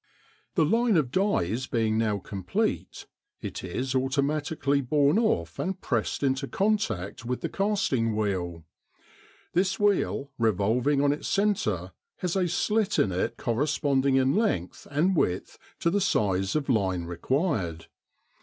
The line of dies being now complete, it is automatically borne off and pressed into contact with the casting wheel. This wheel, revolving on its centre, has a slit in it corresponding in length and width to the size of line required.